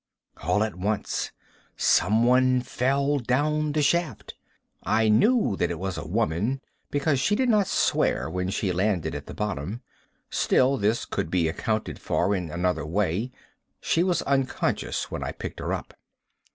All at once, someone fell down the shaft. I knew that it was a woman, because she did not swear when she landed at the bottom. Still, this could be accounted for in another way. She was unconscious when I picked her up.